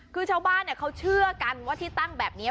คือชาวบ้านเขาเชื่อกันว่าที่ตั้งแบบนี้